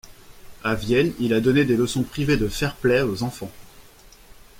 A Vienne, il a donné des leçons privées de fair-play aux enfants.